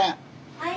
はい？